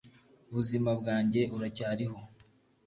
buzima bwanjye uracyaliho